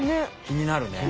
きになるね。